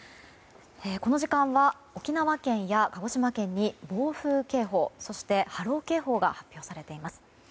この時間は、沖縄県や鹿児島県に暴風警報そして、波浪警報が発表されています。